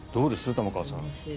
玉川さん。